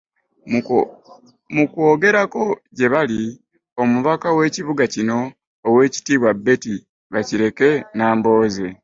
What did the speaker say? Mu kwogerako gye bali, omubaka w'ekibuga kino, oweekitiibwa Betty Bakireke Nambooze